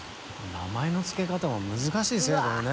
名前の付け方も難しいですよねこれね。